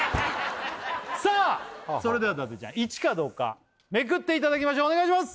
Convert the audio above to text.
さあそれでは伊達ちゃん１かどうかめくっていただきましょうお願いします